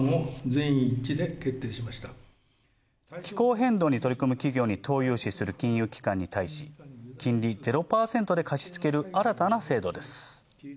気候変動に取り組む企業に投融資する金融機関に対し、金利０％で貸し付ける新たな制度です。